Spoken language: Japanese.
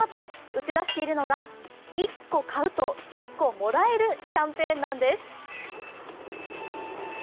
打ち出しているのが１個買うと、１個もらえるキャンペーンなんです。